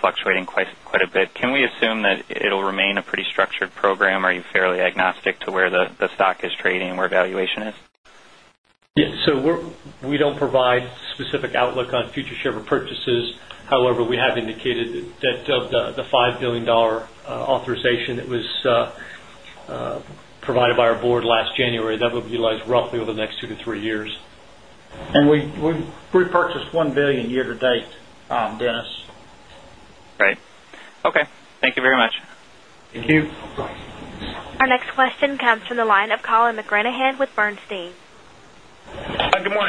fluctuating quite a bit. Can we assume that it will remain a pretty structured program? Are you fairly agnostic to where the stock is trading and where valuation is? Yes. So, we don't provide specific outlook on future share repurchases. However, we have indicated that the $5,000,000,000 authorization that was provided by our Board last January that would be utilized roughly over the next 2 to 3 years. And we repurchased $1,000,000,000 year to date, Dennis. Our next question comes from the line of Colin McGranahan with Bernstein.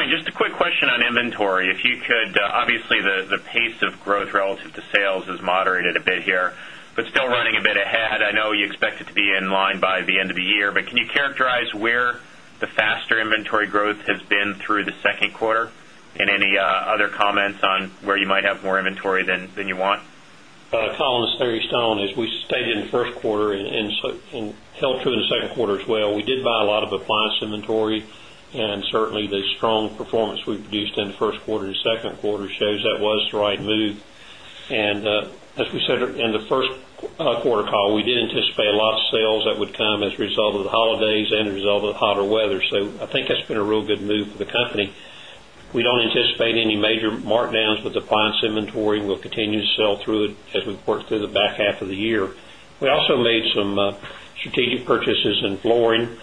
Just a quick question on inventory. If you could, obviously the pace of growth relative to sales has moderated a bit here, but still running a bit ahead. I know you it to be in line by the end of the year, but can you characterize where the faster inventory growth has been through the Q2 and any other comments on where you might have more inventory than you want? Collyn, it's Terry Stone. As we stated in the Q1 and held through the Q2 as well, we stated in the Q1 and held true in the Q2 as well, we did buy a lot of appliance inventory and certainly the strong performance we've produced in the Q1 to Q2 shows that was the right move. And as we said in the Q1 call, we did anticipate a lot of sales that would come as a result of the holidays and a result of the hotter weather. So I think that's been a real good move for the company. We don't anticipate any major markdowns with appliance inventory. We'll continue to sell through it as we work through the back half of the year. We also made some strategic purchases in flooring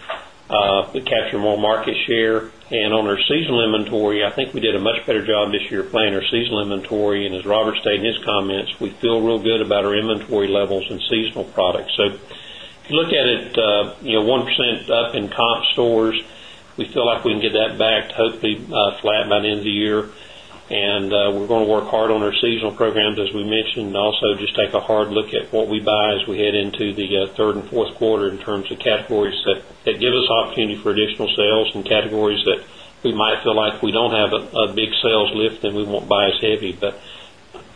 to capture more market share. And on our seasonal inventory, I think we did a much better job this year playing our seasonal inventory. And as Robert stated in his comments, we feel real good about our inventory levels and seasonal products. So if you look at it, we're seasonal products. So if you look at it, 1% up in comp stores, we feel like we can get that back to hopefully flat by the end of the year. And we're going to work hard on our seasonal programs, as we mentioned, and also just take a hard look at what we buy as we head into the 3rd Q4 in terms of categories that give us opportunity for additional sales and categories that we might feel like we don't have a big sales lift, then we won't buy as heavy. But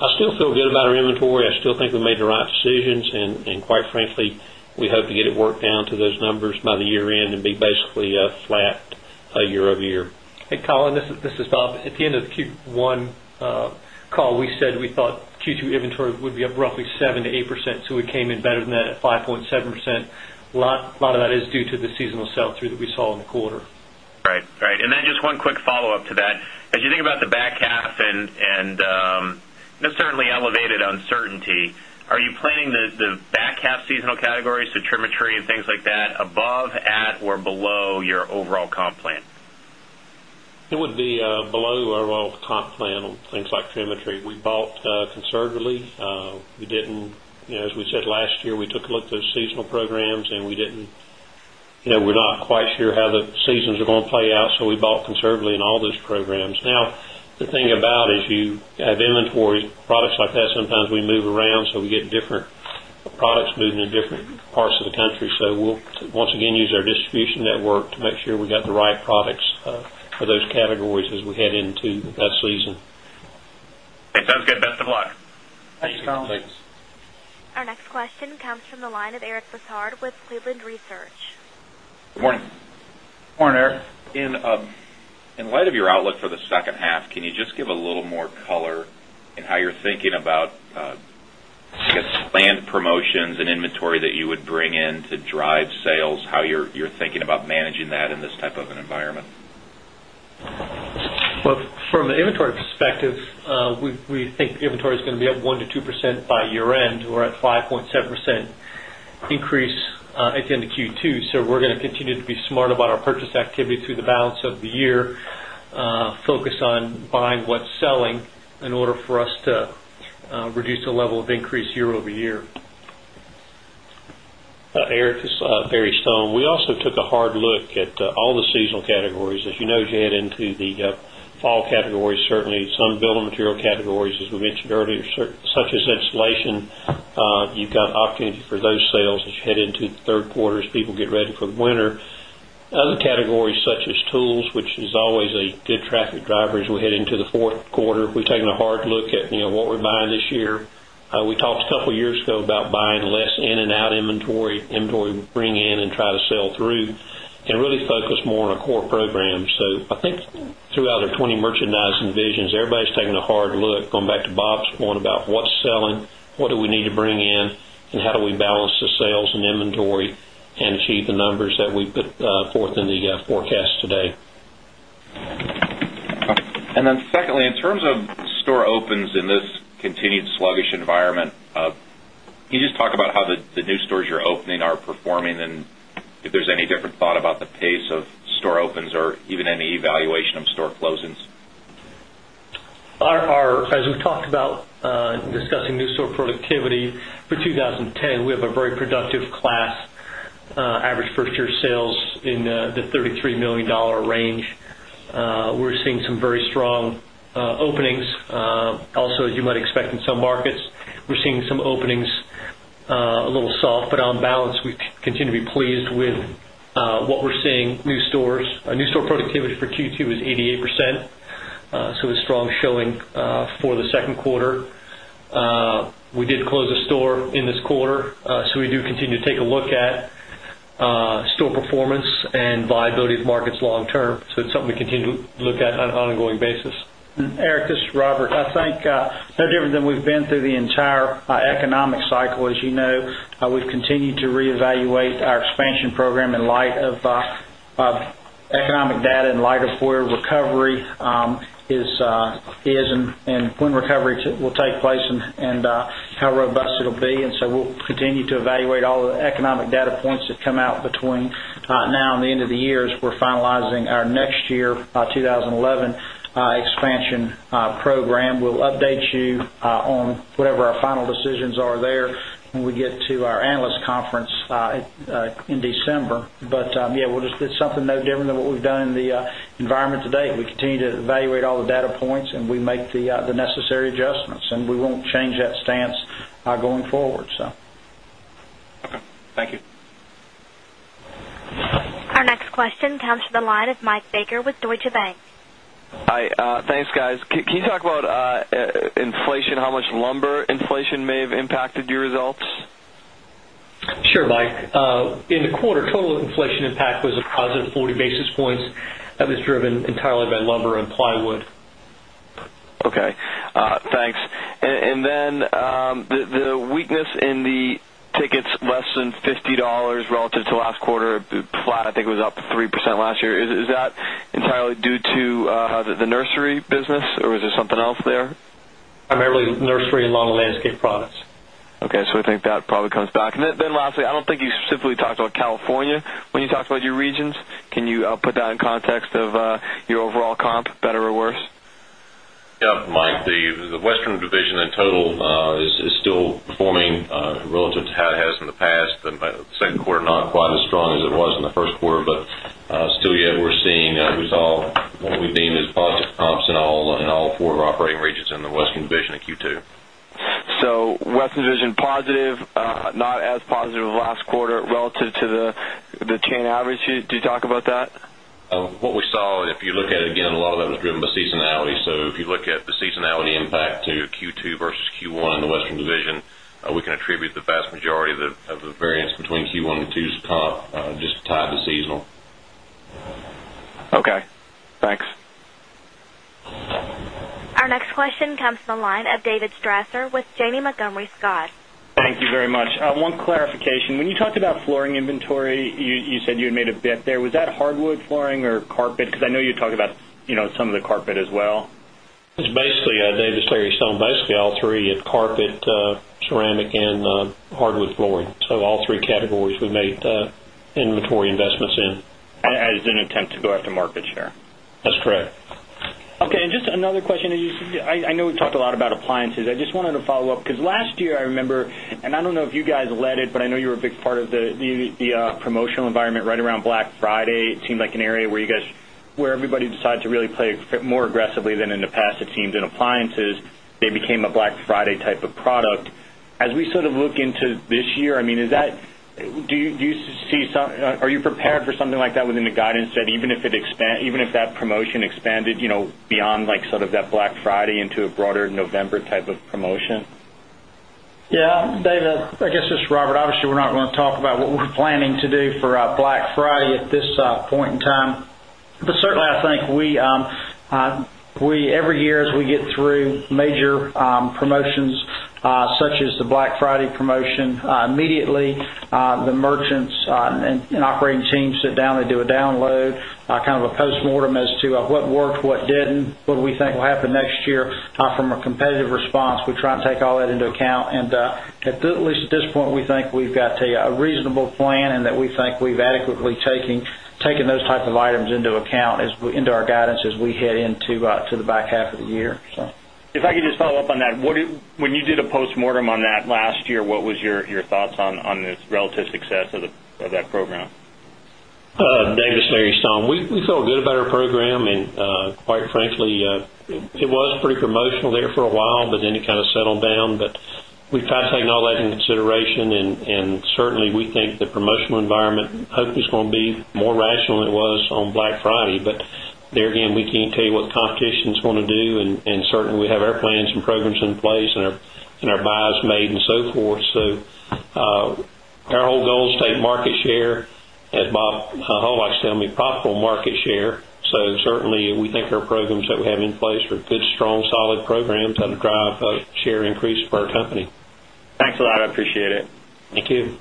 I still feel good about our inventory. I still think we made the right decisions. And quite frankly, we hope to get it worked down to those numbers by the year end and be basically flat year over year. Hey, Collyn, this is Bob. At the end of Q1 call, we said we thought Q2 inventory would be up roughly 7% to 8%. So we came in better than that at 5.7%. A lot of that is due to the seasonal sell through that we saw in the quarter. Right. And then just one quick follow-up to that. As you think about the back half and certainly elevated uncertainty, are you planning the back half seasonal categories to trimetry and things like that above, at or below your overall comp plan? It would be below overall comp plan on things like Tremetry. We bought conservatively. We didn't as we said last year, we took a look at those seasonal programs and we didn't we're not quite sure how the seasons are going to play out. So we bought conservatively in all those programs. Now the thing about is you have inventories, products like that sometimes we move around, so we get different products moving in different parts of the country. So we'll once again use our distribution network to make sure we got the right products for those categories as we head into that season. Our next question comes from the line of Eric Baccard with Cleveland Research. In light of your outlook for the second half, can you just give a little more color in how you're thinking about, I guess, planned promotions and inventory that you would bring in to drive sales, how you're thinking about managing that in this type of an environment? Well, from an inventory perspective, we think inventory is going to be up 1% to 2% by year end. We're at 5.7% increase at the end of Q2. So, we're going to continue to be smart about our purchase activity through the balance of the year, focus on buying what's selling in order for us to reduce the level of increase year over year. Eric, this is Barry Stone. We also took a hard look at all the seasonal categories. As you know, as you head into the fall categories, certainly some building material categories, as we mentioned earlier, such as installation, you've got opportunity for those sales as you head into the 3rd quarter as people get ready for the winter. Other categories such as tools, which is always a good traffic driver as we head into the Q4, we've taken a hard look at what we're buying this year. We talked a couple of years ago about buying less in and out inventory, inventory bring in and try to sell through and really focus more on our core programs. So I think throughout our 20 merchandising visions, everybody's taking a hard look going back to Bob's point about what's selling, what do we need to bring in and how do we balance the sales and inventory and achieve the numbers that we put forth in the forecast today. And then secondly, in terms of store opens in this continued sluggish environment, can you just talk about how the new stores you're opening are performing and if there's any different thought about the pace of store opens or even any evaluation of store closings? Our as we've talked about discussing new store productivity for 2010, we have a very productive class average 1st year sales in the $33,000,000 range. We're seeing some very strong openings. Also, as you might expect in some markets, we're seeing some openings a little soft. But on balance, we continue to be pleased with what we're seeing. New store productivity for Q2 was 88%, so a strong showing for the Q2. We did close a store in this quarter, so we do continue to take a look at store performance and viability of markets long term. So it's something we continue to look at on an ongoing basis. Eric, this is Robert. I think no different than we've been through the entire economic cycle. As you know, we've continued to reevaluate our expansion program in light of economic data, in light of where recovery is and when recovery will take place and how robust it will be. And so we'll continue to evaluate all the economic data points that come out between now and the end of the year as we're finalizing our next year, 2011 expansion program. We'll update you on whatever our final decisions are there when we get to our analyst conference in December. But yes, it's something no different than what we've done in the environment today. We continue to evaluate all the data points and we make the necessary adjustments and we won't change that stance going forward. So, adjustments and we won't change that stance going forward. Okay. Thank you. Our next question comes from the line of Mike Baker with Deutsche Bank. Hi. Thanks, guys. Can you talk about inflation, how much lumber inflation may have impacted your results? Much lumber inflation may have impacted your results? Sure, Mike. In the quarter, total inflation impact was a positive 40 basis points. That was driven entirely by lumber and plywood. Okay, thanks. And then the weakness in the tickets less than $50 relative to last quarter, flat, I think it was up 3% last year. Is that entirely due to the nursery business or is there something else there? Primarily nursery and lawn landscape products. Okay. So I think that probably comes back. And then lastly, I don't think you simply talked about California when you talked about your regions. Can you put that in context of your overall comp better or worse? Mike, the Western division in total is still performing relative to how it has in the past, but the Q2 not quite as strong as it was in the Q1, but still yet we're seeing a result what we deem as positive comps in all 4 operating regions in the Westin division in Q2. So Westin division positive, not as positive last quarter relative to the chain average, do you talk about that? What we saw, if you look at it again, a lot of that was driven by seasonality. So if you look at the seasonality impact to Q2 versus Q1 in the Western division, we can attribute the vast majority of the variance between Q1 and Q2 comp just tied to seasonal. Okay. Thanks. Our next question comes from the line of David Strasser with Jamie Montgomery Scott. Thank you very much. One clarification, when you talked about flooring inventory, you said you had made a bit there. Was that hardwood flooring or carpet? Because I know you talked about some of the carpet as well. It's basically Dave, it's Larry Stone. Basically all 3 carpet, ceramic and hardwood flooring. So all three categories we made inventory investments in. As an attempt to go after market share? That's correct. Okay. And just another question. I know we talked a lot about appliances. I just wanted to follow-up because last year, I remember and I don't know if you guys led it, but I know you're a big part of the promotional environment right around Black Friday. It seemed like an area where you guys where everybody decided to really play more aggressively than in the past, it seems in appliances. They became a Black Friday type of product. As we sort of look into this year, I mean, is that do you see are you prepared for something like that within the guidance that even if it expand even if that promotion expanded beyond like sort of that Black Friday into a broader November type of promotion? Yes. David, I guess, this is Robert. Obviously, we're not going to talk about what we're planning to do for Black Friday at this point in time. But certainly, I think we every year as we get through major promotions such as the Black Friday promotion, immediately the merchants and operating teams sit down and do a download, kind of a postmortem as to what worked, what didn't, what we think will happen next year from a competitive response. We try and take all that into account. And at least at this point, we think we've got a reasonable plan and that we think we've adequately taken those type of items into account into our guidance as we head into the back half of the year. If I could just follow-up on that, when you did a postmortem on that last year, what was your thoughts on this relative success of that program? Dave, it's Mary Stone. We feel good about our program. And quite frankly, it was pretty promotional there for a while, but then it kind of settled down. But we've kind of taken all that into consideration. And certainly, we think the promotional environment hopefully is going to be more rational than it was on Black Friday. But there again, we can't tell you what competition is going to do and certainly we have our plans and programs in place and our buyers made and so forth. So our whole goal is to take market share. As Bob said, I mean, profitable market share. So certainly, we think our programs that we have in place are good, strong, solid programs that drive share increase for our company. Thanks a lot. I appreciate it. Thank you.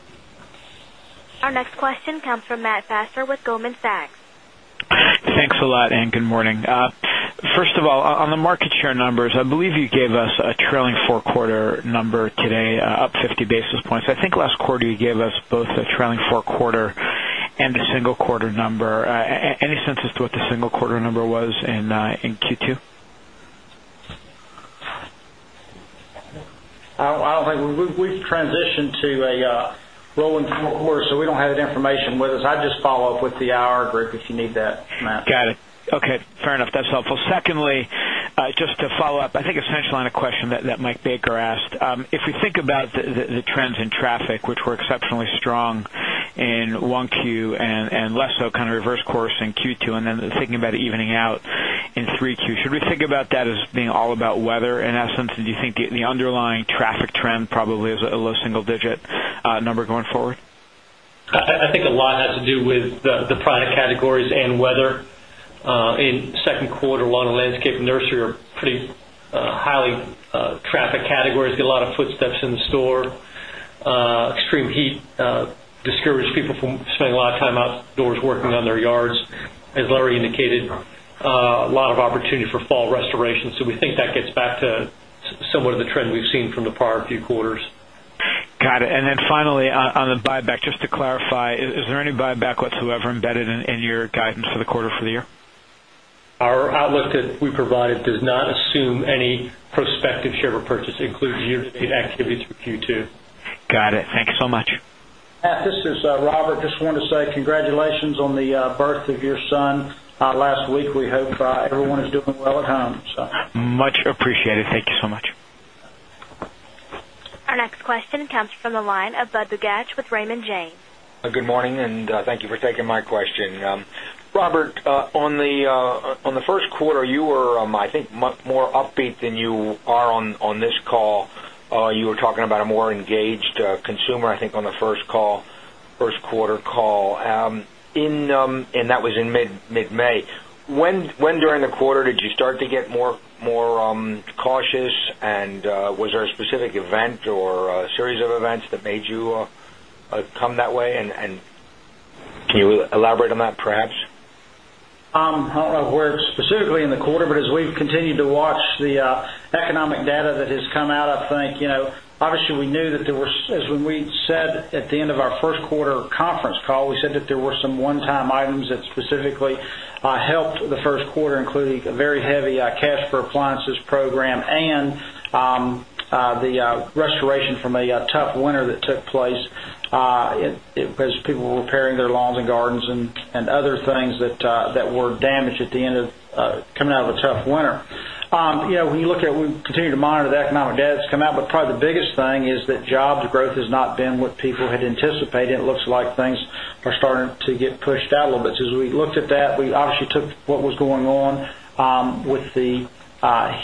Our next question comes from Matt Baster with Goldman Sachs. Thanks a lot and good morning. First of all, on the market share numbers, I believe you gave us a trailing 4 quarter number today, up fifty basis points. I think last quarter you gave us both the trailing 4 quarter and the single quarter number. Any sense as to what the single quarter number was in Q2? I don't think we've transitioned to a rolling 4th quarter, so we don't have any information with us. I just follow-up with the IR group if you need that, Matt. Got it. Okay. Fair enough. That's helpful. Secondly, just to follow-up, I think a central line of question that Mike Baker asked. If we think about the trends in traffic, which were exceptionally strong in 1Q and less so kind of reverse course in Q2 and then thinking about evening out in 3Q, should we think about that as being all about weather in essence? And do you think the underlying traffic trend probably is a low single digit number going forward? I think a lot has to do with the product categories and weather. In Q2, lawn landscape and nursery are pretty highly traffic categories, get a lot of footsteps in store. Extreme heat discourage people from spending a lot of time outdoors working on their yards. As Larry indicated, a lot of opportunity for fall restoration. So we think that gets back to somewhat of the trend we've seen from the prior few quarters. Got it. And then finally, on the buyback, just to clarify, is there any buyback whatsoever embedded in your guidance for the quarter for the year? Our outlook that we provided does not assume any prospective share repurchase, including year to date activity through Q2. Got it. Thank you so much. Matt, this is Robert. Just want to say congratulations on the birth of your son last week. We hope everyone is doing well at home. Much appreciated. Thank you so much. Our next question comes from the line of Budd Bugatch with Raymond James. Good morning and thank you for taking my question. Robert, on the Q1, you were, I think, more upbeat than you are on this call. You were talking about a more engaged consumer, I think, on the Q1 call. In and that was in mid May. When during the quarter did you start to get more cautious? And was there a specific event or a series of events that made you come that way? And can you elaborate on that perhaps? I don't know where specifically in the quarter, but as we've continued to watch the economic data that has come out, I think, obviously, we knew that there was as when we said at the end of our Q1 conference call, we said that there were some one time items that specifically helped the Q1, including a very heavy cash for appliances program and the restoration from a tough winter that took place as people were repairing their lawns and gardens and other things that were damaged at the end of coming out of a tough winter. When you look at we continue to monitor the economic debt, but probably the biggest thing is that jobs growth has not been what people had anticipated. It looks like things are starting to get pushed out a little bit. So as we looked at that, we obviously took what was going on with the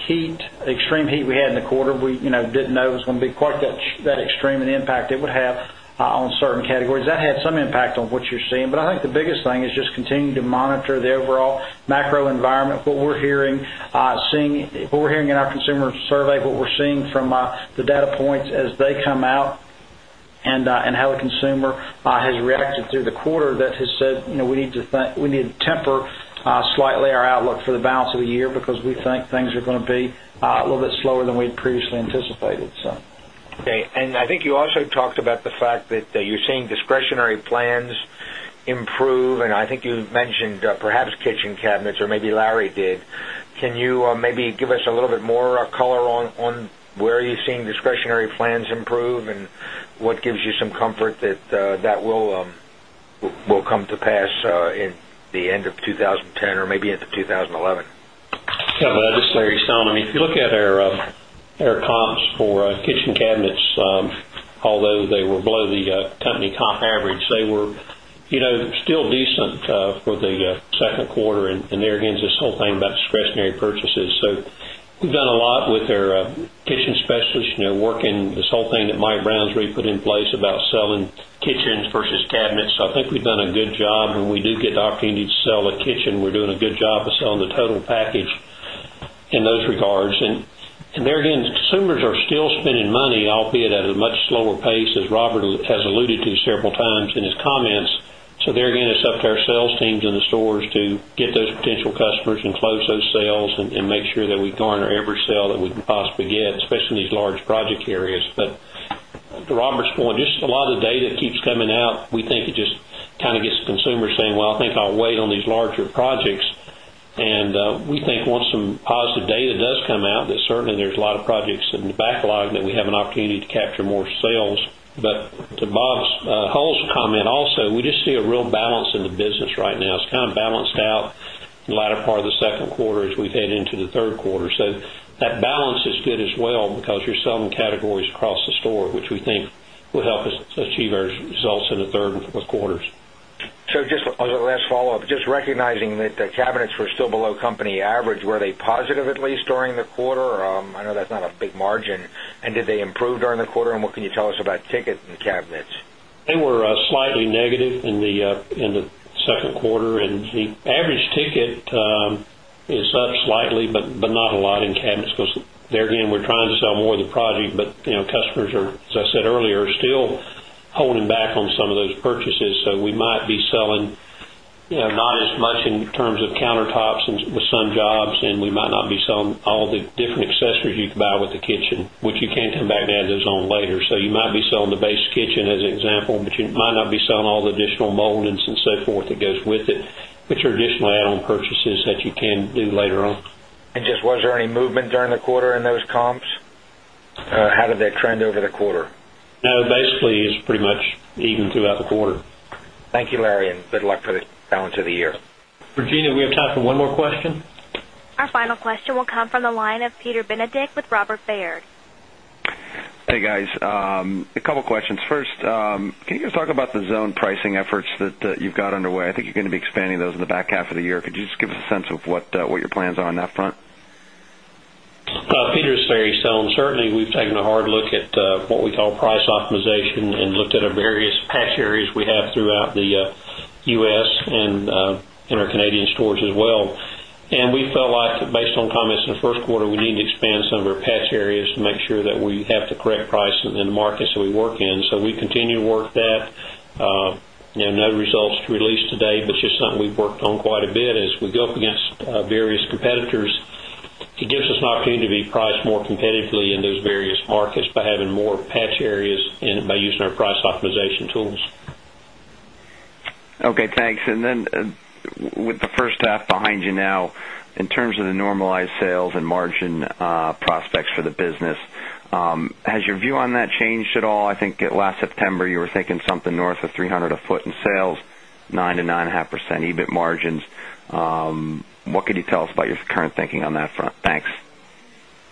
heat extreme heat we had in the quarter, we didn't know it was going to be quite that extreme an impact it would have on certain categories. That had some impact on what you're seeing. But I think the biggest thing is just continuing to monitor the overall macro environment. What we're hearing seeing what we're hearing in our consumer survey, what we're seeing from the data points as they come out and how the consumer has reacted through the quarter that has said we need to temper slightly our outlook for the balance of the year because we think things are going to be a little bit slower than we had previously anticipated. Okay. And I think you also talked about the fact that you're seeing discretionary plans improve. And I think you mentioned perhaps kitchen cabinets or maybe Larry did. Can you maybe give us a little bit more color on where you're seeing discretionary plans improve? And what gives you some comfort that that will come to pass in the end of 2010 or maybe into 2011? Yes, Matt. This is Larry Stone. I mean, if you look at our comps for kitchen cabinets, although they were below the company comp average, they were still decent for the Q2 and there again this whole thing about discretionary purchases. So we've done a lot with our kitchen specialists working this whole thing that Mike Brown's really put in place about selling kitchens versus cabinets. So I think we've done a good job. When we do get the opportunity to sell the kitchen, we're doing a good job of selling the total package in those regards. And there again, consumers are still spending money, albeit at a much slower pace, as Robert alluded to several times in his comments. So there again, it's up to our sales teams in the stores to get those potential customers and close those sales and make sure that we garner every sale that we can possibly get, especially in these large project areas. But to Robert's point, just a lot of the data keeps coming out. We think it just kind of gets consumers saying, well, I think I'll wait on these larger projects. And we think once some positive data does come out, that certainly there's a lot of projects in the backlog that we have an opportunity to capture more sales. But to Bob's whole comment also, we just see a real balance in the business right now. It's kind of balanced out in the latter part of the second quarter as we head into the Q3. So that balance is good as well because you're selling categories across the store, which we think will help us achieve our results in the 3rd and 4th quarters. So just as a last follow-up, just recognizing that the cabinets were still below company average, were they positive at least during the quarter? I know that's not a big margin. And did they improve during the quarter? And what can you tell us about ticket and cabinets? They were slightly negative in the Q2. And the average ticket is up slightly, but not a lot in cabinets because there again, we're trying to sell more of the project, but customers are, as I said earlier, still holding back on some of those purchases. So we might be selling not as much in terms of countertops with some jobs and we might not be selling all the different accessories you can buy with the kitchen, which you can't come back to add those on later. So you might be selling the base kitchen as an example, but you might not be selling all the additional moldings and so forth that goes with it, but your additional add on purchases that you can do later on. And just was there any movement during the quarter in those comps? How did that trend over the quarter? No. Basically, it's pretty much even throughout the quarter. Thank you, Larry, and good luck for the balance of the year. Regina, we have time for one more question. Our final question will come from the line of Peter Benedict with Robert Baird. Hey, guys. A couple of questions. First, can you just talk about the zone pricing efforts that you've got underway? I think you're going to be expanding those in the back half of the year. Could you just give us a sense of what your plans are on that front? Peter, it's Barry Stone. Certainly, we've taken a hard look at what we call price optimization and looked at our various patch areas we have throughout the U. S. And in our Canadian stores as well. And we felt like based on the Q1, we need to expand some of our patch areas to make sure that we have the correct price in the markets that we work in. So we continue to work that. No results to release today, but just something we've worked on quite a bit as we go up against various competitors. It gives us an opportunity to us an opportunity to be priced more competitively in those various markets by having more patch areas and by using our price optimization tools. Okay, thanks. And then with the first half has your view on that changed at all? I think last September you were thinking something north of 300 a foot in sales, 9% to 9.5% EBIT margins. What could you tell us about your current thinking on that front? Thanks.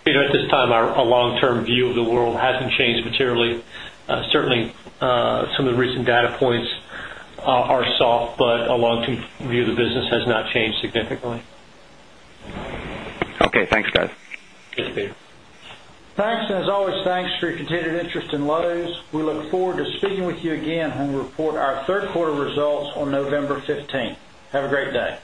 Peter, at this time, our long term view of the world hasn't changed materially. Certainly, some of the recent data points are soft, but our long term view of the business has not changed significantly. Okay. Thanks guys. Thanks, Peter. Thanks. And as always, thanks for your continued interest in Loews. We look forward to speaking with you again when we report our Q3 results on November 15. Have a great day.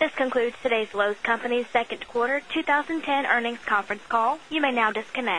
This concludes today's Loews Company's 2nd quarter 20 10 earnings conference call. You may now disconnect.